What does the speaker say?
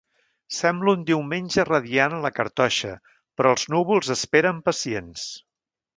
Sembla un diumenge radiant a la cartoixa, però els núvols esperen pacients.